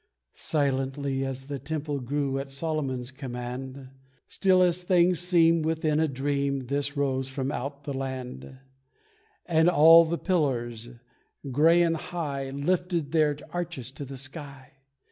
Silently as the temple grew at Solomon's command, Still as things seem within a dream This rose from out the land: And all the pillars, grey and high, Lifted their arches to the sky.